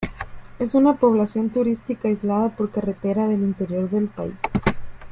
Es una población turística aislada por carretera del interior del país.